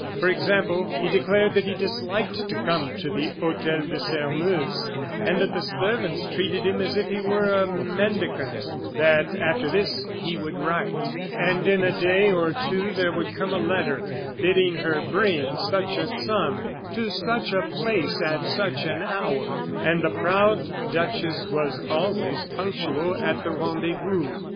For example, he declared that he disliked to come to the Hotel de Sairmeuse, that the servants treated him as if he were a mendicant, that after this he would write. And in a day or two there would come a letter bidding her bring such a sum, to such a place, at such an hour. And the proud duchess was always punctual at the rendezvous.